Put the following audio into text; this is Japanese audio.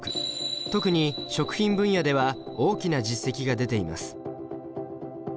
特に食品分野では大きな実績が出ています。